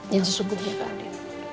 yang sesungguhnya kak andi